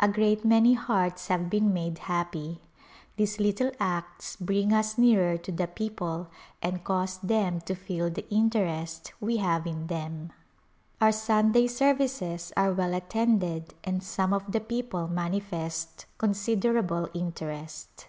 A great many hearts have been made happy. These little acts bring us nearer to the people and cause them to feel the interest we have in them. Andriyas, the Converted Faqir. A Pilgrimage Our Sunday services are well attended and some of the people manifest considerable interest.